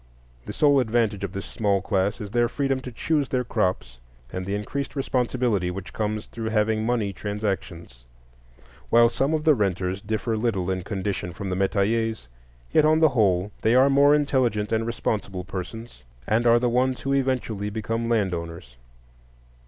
The sole advantage of this small class is their freedom to choose their crops, and the increased responsibility which comes through having money transactions. While some of the renters differ little in condition from the metayers, yet on the whole they are more intelligent and responsible persons, and are the ones who eventually become land owners.